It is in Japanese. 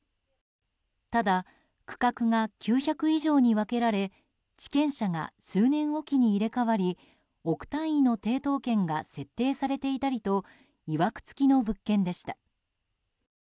ただ、区画が９００以上に分けられ地権者が数年おきに入れ替わり億単位の抵当権が設定されていたりといわくつきの物件でした。